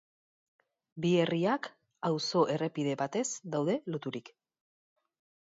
Bi herriak, auzo-errepide batez daude loturik.